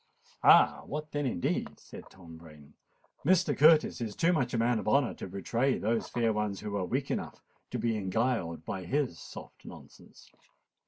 "Ah! what then, indeed?" said Tom Rain. "Mr. Curtis is too much a man of honour to betray those fair ones who were weak enough to be beguiled by his soft nonsense."